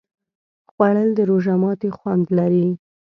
خوړل د روژه ماتي خوند لري